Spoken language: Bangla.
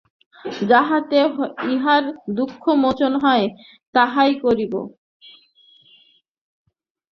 যাহাতে ইহার দুঃখ মোচন হয়, তাহাই করিব।